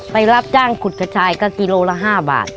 รับจ้างขุดกระชายก็กิโลละ๕บาท